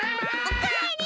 おかえり。